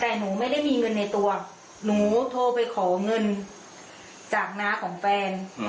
แต่หนูไม่ได้มีเงินในตัวหนูโทรไปขอเงินจากน้าของแฟน